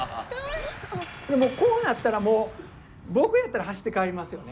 こうなったらもう僕やったら走って帰りますよね。